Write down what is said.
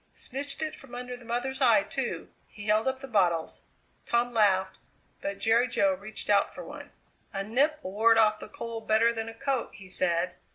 Snitched it from under the mother's eye, too!" He held up the bottles. Tom laughed, but Jerry Jo reached out for one. "A nip will ward off the cold better than a coat," he said.